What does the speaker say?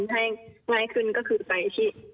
ให้ง่ายขึ้นก็คือไปที่